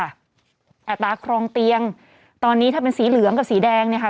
อัตราครองเตียงตอนนี้ถ้าเป็นสีเหลืองกับสีแดงเนี่ยค่ะ